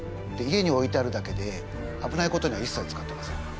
家に置いてあるだけであぶないことにはいっさい使ってません。